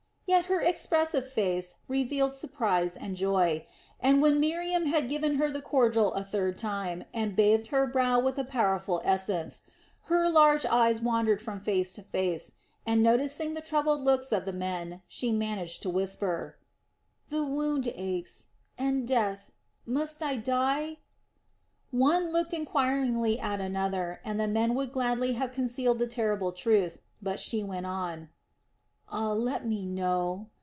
Yet her expressive face revealed surprise and joy, and when Miriam had given her the cordial a third time and bathed her brow with a powerful essence, her large eyes wandered from face to face and, noticing the troubled looks of the men, she managed to whisper: "The wound aches and death must I die?" One looked enquiringly at another, and the men would gladly have concealed the terrible truth; but she went on: "Oh, let me know.